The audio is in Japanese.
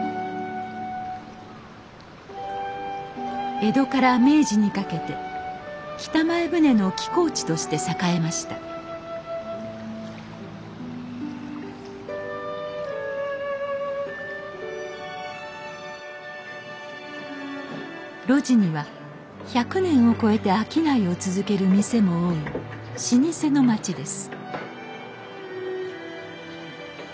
江戸から明治にかけて北前船の寄港地として栄えました路地には１００年を超えて商いを続ける店も多い老舗の町です